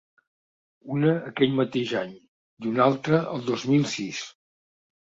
Una, aquell mateix any i una altra el dos mil sis.